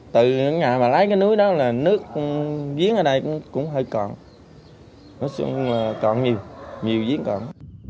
từ nhà mà lấy cái núi đó là nước giếng ở đây cũng hơi còn nó cạn nhiều nhiều giếng còn